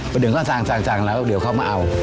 เป็นหนึ่งข้างแล้วเดี๋ยวเขามาเอา